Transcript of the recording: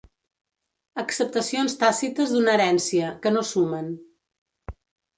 Acceptacions tàcites d'una herència, que no sumen.